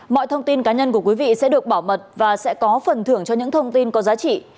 mọi thông tin cá nhân của quý vị sẽ được bảo mật và sẽ có phần thưởng cho những thông tin có giá trị